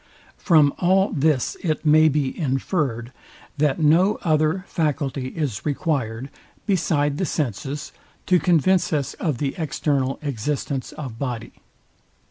From all this it may be infered, that no other faculty is required, beside the senses, to convince us of the external existence of body.